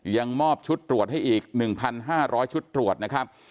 ยังมอบชุดตรวจให้อีก๑๕๐๐ชุดตรวจนะครับ